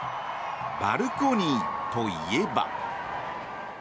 バルコニーといえば。